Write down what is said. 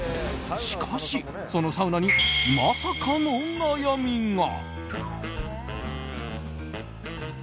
しかし、そのサウナにまさかの悩みが。